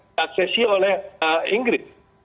diaksesi oleh inggris